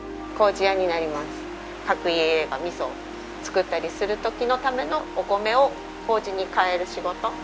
各家が味噌を作ったりする時のためのお米を糀に変える仕事。